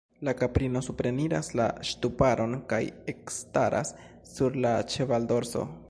La kaprino supreniras la ŝtuparon kaj ekstaras sur la ĉevaldorso.